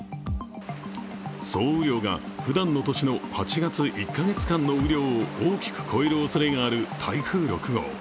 総雨量がふだんの年の８月１か月間の雨量を大きく超えるおそれがある台風６号。